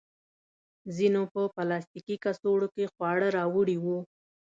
ځینو په پلاستیکي کڅوړو کې خواړه راوړي وو.